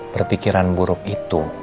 perpikiran buruk itu